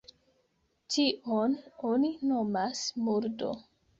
Tion oni nomas murdo.